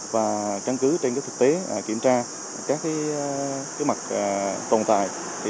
và trang cứu trên thực tế kiểm tra các mặt tồn tại